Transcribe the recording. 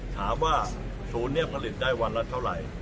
ถามว่าศูนย์นี้ผลิตได้วันละเท่าไหร่